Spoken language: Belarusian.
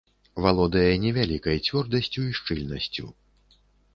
Валодае невялікай цвёрдасцю і шчыльнасцю.